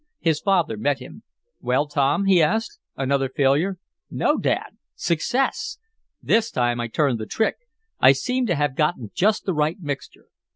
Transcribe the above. His father met him. "Well, Tom," he asked, "another failure?" "No, Dad! Success! This time I turned the trick. I seem to have gotten just the right mixture.